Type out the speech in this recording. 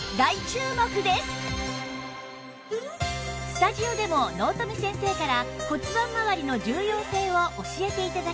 スタジオでも納富先生から骨盤まわりの重要性を教えて頂きます